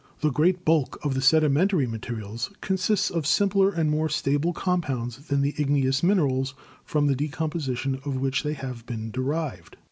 The great bulk of the sedimentary materials con sists of simpler and more stable compounds than the igne ous minerals from the decomposition of which they have been derived.